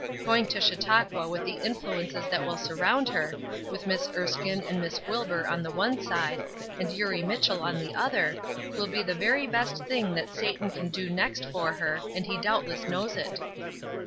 Going to Chautauqua with the influences that will surround her, with Miss Erskine and Miss Wilbur on the one side, and Eurie Mitchell on the other, will be the very best thing that Satan can do next for her, and he doubtless knows it."